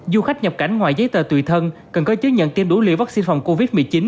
du khách nhập cảnh ngoài giấy tờ tùy thân cần có chứng nhận tiêm đủ liều vaccine phòng covid một mươi chín